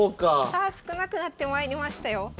さあ少なくなってまいりましたよ。